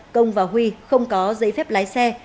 công và huy không có giấy phép lái xe